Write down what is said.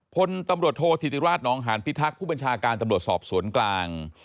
พลตำรวจโทษธิติราชนองหานพิทักษ์ผู้บัญชาการตำรวจสอบสวนกลาง